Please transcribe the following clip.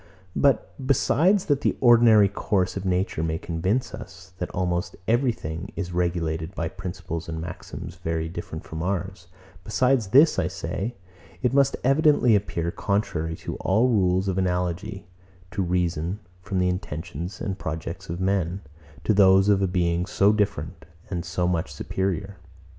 But, besides that the ordinary course of nature may convince us, that almost everything is regulated by principles and maxims very different from ours; besides this, I say, it must evidently appear contrary to all rules of analogy to reason, from the intentions and projects of men, to those of a Being so different, and so much superior.